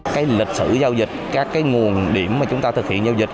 cái lịch sử giao dịch các cái nguồn điểm mà chúng ta thực hiện giao dịch